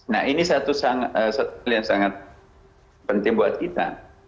nah ini satu hal yang sangat penting buat kita